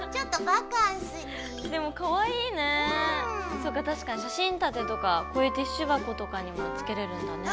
そっか確かに写真立てとかこういうティッシュ箱とかにもつけれるんだね。